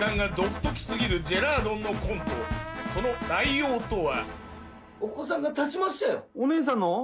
その内容とは・お子さんが立ちましたよ・お姉さんの？